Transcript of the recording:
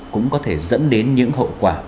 cũng có thể dẫn đến những hậu quả